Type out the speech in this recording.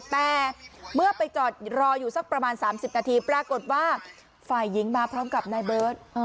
แต่เมื่อไปจอดรออยู่สักประมาณ๓๐นาทีปรากฏว่าฝ่ายหญิงมาพร้อมกับนายเบิร์ต